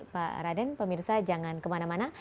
pak raden pemirsa jangan kemana mana